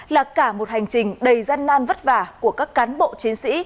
là cả một hành trình đầy gian nan vất vả của các cán bộ chiến sĩ